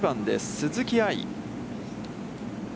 鈴木愛。